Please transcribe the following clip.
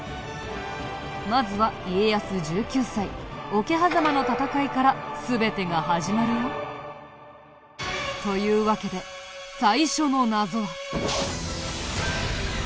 まずは家康１９歳桶狭間の戦いから全てが始まるよ。というわけで最初の謎は。